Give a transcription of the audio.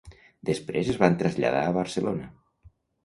Després es van traslladar a Barcelona.